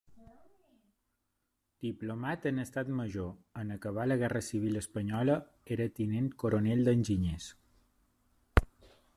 Diplomat en estat major, en acabar la guerra civil espanyola era tinent coronel d'enginyers.